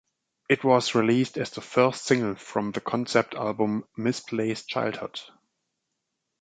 It was released as the first single from the concept album "Misplaced Childhood".